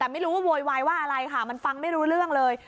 แต่ไม่รู้ว่าโวยวายว่าอะไรค่ะมันฟังไม่รู้เรื่องเลย